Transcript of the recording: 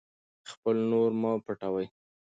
خپل نور مه پټوئ.